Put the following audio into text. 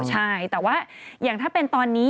ใช่แต่ว่าอย่างถ้าเป็นตอนนี้